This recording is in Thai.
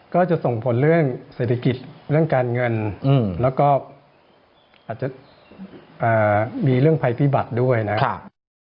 ก็จะส่งผลเรื่องเศรษฐกิจเรื่องการเงินแล้วก็อาจจะมีเรื่องภัยพิบัติด้วยนะครับ